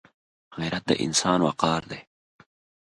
غیرت د انسان وقار دی